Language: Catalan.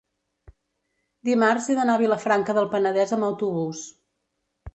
dimarts he d'anar a Vilafranca del Penedès amb autobús.